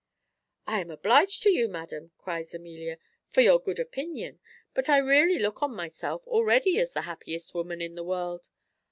"I am obliged to you, madam," cries Amelia, "for your good opinion; but I really look on myself already as the happiest woman in the world.